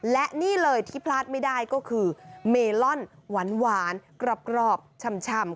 และนี่เลยที่พลาดไม่ได้ก็คือเมลอนหวานกรอบช่ำ